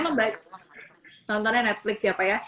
nontonnya netflix siapa ya